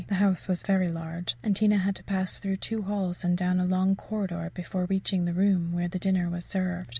The house was very large, and Tina had to pass through two halls and down a long corridor before reaching the room where the dinner was served.